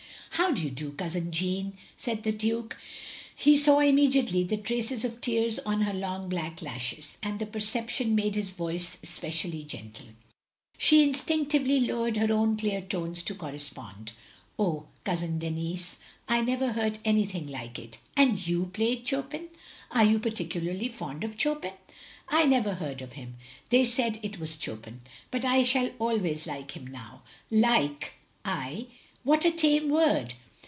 " How do you do, Cousin Jeanne ?" said the Dtike. He saw immediately the traces of tears on her long black lashes, and the perception made his voice especially gentle. She instinctively lowered her own clear tones to correspond. "Oh, Cousin Denis, I never heard anything like it. And you played Chopin. " "Are you particularly fond of Chopin? "I never heard of him. They said it was Chopin. But I shall always like him now. Like I What a tame word.